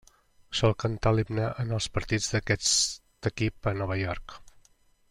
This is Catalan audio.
Sol cantar l'himne en els partits d'aquest equip a Nova York.